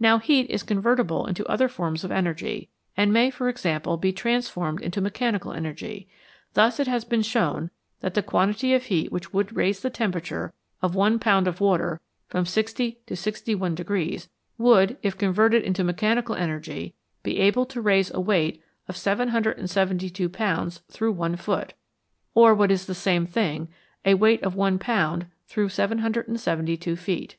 Now heat is convertible into other forms of energy, and may, for example, be transformed into mechanical energy ; thus it has been shown that the quantity of heat which would raise the temperature of one pound of water from 60 to 61 would, if converted into mechanical energy, be able to raise a weight of 772 pounds through 1 foot, or, what is the same thing, a weight of one pound through 772 feet.